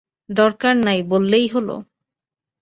দরকার নেই, বললেই হলো!